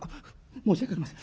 申し訳ありません。